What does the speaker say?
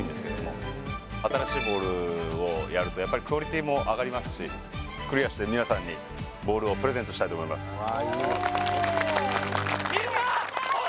新しいボールをやるとやっぱりクオリティーも上がりますしクリアして皆さんにボールをプレゼントしたいと思います